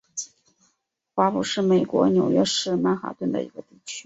华埠是美国纽约市曼哈顿的一个地区。